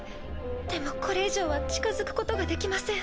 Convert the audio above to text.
でもこれ以上は近づくことができません。